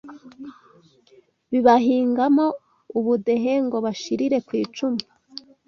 Bibahingamo ubudehe Ngo bashirire ku icumu